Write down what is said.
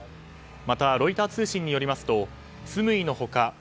また、ロイター通信によりますとスムイの他